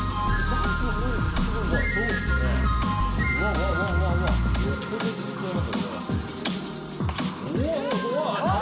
ダンスの能力もすごい。